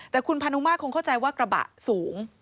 แต่คุณพานุมาตรคงเข้าใจว่ากระบะสูง